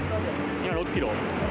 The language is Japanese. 今、６キロ？